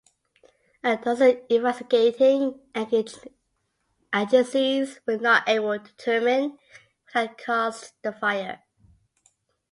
A dozen investigating agencies were not able to determine what had caused the fire.